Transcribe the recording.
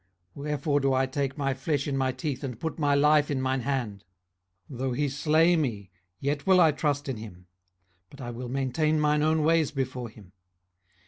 18:013:014 Wherefore do I take my flesh in my teeth, and put my life in mine hand? 18:013:015 Though he slay me, yet will I trust in him: but I will maintain mine own ways before him.